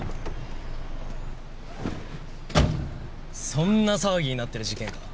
そんな騒ぎになってる事件か。